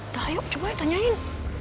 nah yuk cobain tanyain